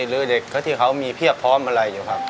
หรือเด็กที่เขามีเพียบพร้อมอะไรอยู่ครับ